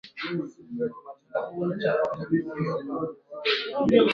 Katika mwaka wa elfu moja mia tisa tisini na sita